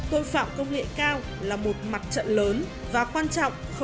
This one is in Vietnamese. tội phạm công nghệ cao là một mặt trận lớn và quan trọng không kém đấu tranh với tội phạm ngoài đời thực